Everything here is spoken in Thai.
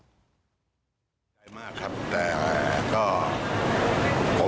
ใจมากครับแต่ก็